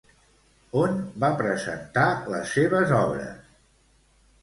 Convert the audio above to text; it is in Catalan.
On va presentar les seves obres?